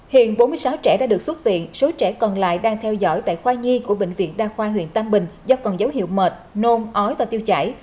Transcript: hiện bốn mươi sáu trẻ đã được xuất viện số trẻ còn lại đang theo dõi tại khoa nhi của bệnh viện đa khoa huyện tam bình do còn dấu hiệu mệt nôn ói và tiêu chảy